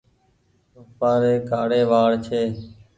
مآري ڪآڙي وآڙ ڇي۔